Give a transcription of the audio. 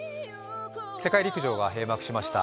世界陸上が閉幕しました。